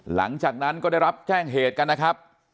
หลังจากนั้นก็ได้รับแจ้งเหตุกันนะครับ